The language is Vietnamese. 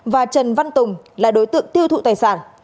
và trần văn tùng là đối tượng tiêu thụ tài sản